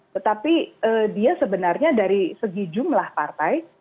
tetapi dia sebenarnya dari segi jumlah partai